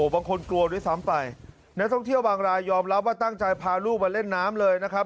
กลัวด้วยซ้ำไปนักท่องเที่ยวบางรายยอมรับว่าตั้งใจพาลูกมาเล่นน้ำเลยนะครับ